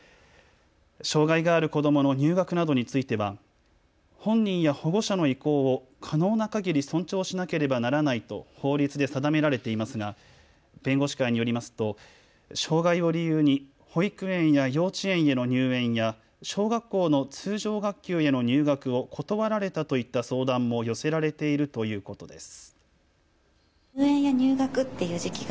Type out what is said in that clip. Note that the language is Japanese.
障害がある子どもの入学などについては本人や保護者の意向を可能なかぎり尊重しなければならないと法律で定められていますが弁護士会によりますと障害を理由に保育園や幼稚園への入園や小学校の通常学級への入学を断られたといった相談も寄せられているということです。